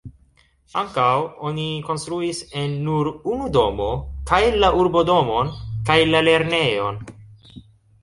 Ankaŭ oni konstruis en nur unu domo kaj la urbodomon kaj la lernejon.